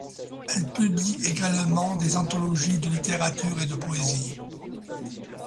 Elle publie également des anthologies de littérature et de poésie.